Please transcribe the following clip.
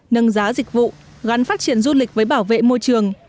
nâng giá dịch vụ gắn phát triển du lịch với bảo vệ môi trường